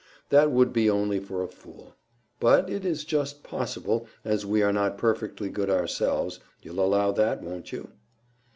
That would be only for a fool. But it is just possible, as we are not perfectly good ourselves—you'll allow that, won't you?"